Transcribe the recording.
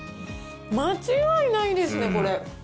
間違いないですね、これ。